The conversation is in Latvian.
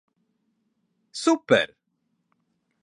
Super!